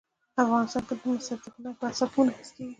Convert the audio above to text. افغانستان کې مس د هنر په اثار کې منعکس کېږي.